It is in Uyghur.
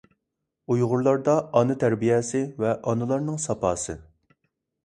ئۇيغۇرلاردا ئانا تەربىيەسى ۋە ئانىلارنىڭ ساپاسى.